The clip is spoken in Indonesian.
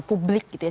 publik gitu ya